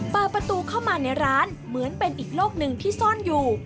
เปิดประตูเข้ามาในร้านเหมือนเป็นอีกโลกหนึ่งที่ซ่อนอยู่